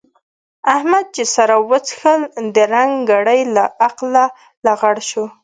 احمد چې شراب وڅښل؛ درنګ ګړۍ له عقله لغړ شو.